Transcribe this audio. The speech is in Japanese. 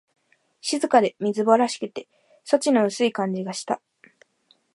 静かで、みすぼらしくて、幸の薄い感じがした